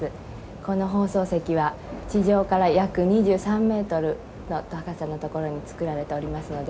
この放送席は、地上から約２３メートルの高さの所に作られておりますので。